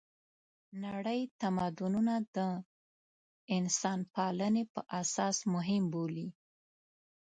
نړۍ تمدونونه د انسانپالنې په اساس مهم بولي.